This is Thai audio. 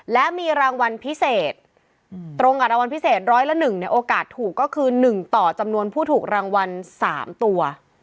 และมีรางวัลพิเศษตรงกับรางวัลพิเศษร้อยละ๑ในโอกาสถูกก็คือ๑ต่อจำนวนผู้ถูกรางวัล๓ตัว